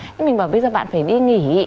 thế mình bảo bây giờ bạn phải đi nghỉ